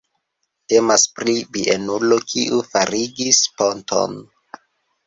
Temas pri bienulo, kiu farigis ponton.